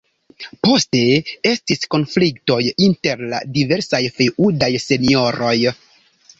Poste estis konfliktoj inter la diversaj feŭdaj senjoroj.